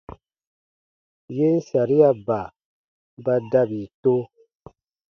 Yen sariaba ba dabi to.